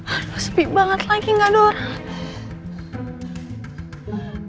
aduh sepi banget lagi nggak ada orang